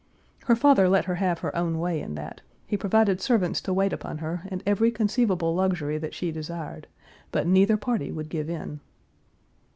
Her father let her have her own way in that; he provided servants to wait upon her and every conceivable luxury that she desired, but neither party would give in.